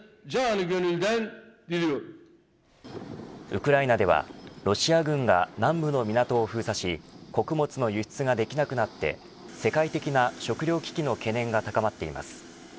ウクライナではロシア軍が南部の港を封鎖し穀物の輸出ができなくなって世界的な食糧危機の懸念が高まっています。